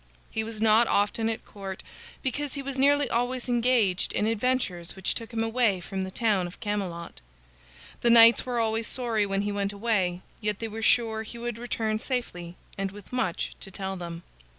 He was not often at court, because he was nearly always engaged in adventures which took him away from the town of Camelot. The knights were always sorry when he went away, yet they were sure he would return safely and with much to tell them.